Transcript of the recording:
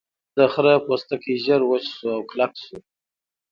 د خرۀ پوستکی ژر وچ شو او کلک شو.